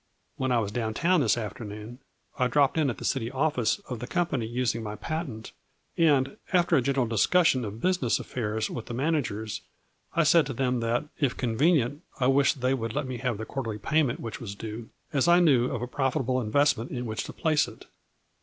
When I was down town this afternoon I dropped in at the city office of the company using my patent, and, after a general discussion of business affairs with the managers, I said to them that, if convenient, I wished they would let me have the quarterly payment which was due, as I knew of a profitable investment in which to place it.